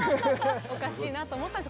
おかしいなと思ったんです。